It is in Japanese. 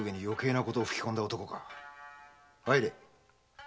入れ。